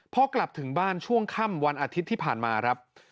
พอกลับถึงบ้านช่วงค่ำวันอาทิตย์ที่ผ่านมาครับ